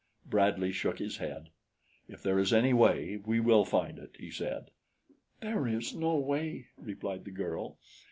Bradley shook his head. "If there is any way, we will find it," he said. "There is no way," replied the girl.